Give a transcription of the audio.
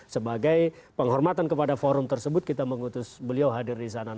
sebagai penghormatan kepada forum tersebut kita mengutus beliau hadir di sana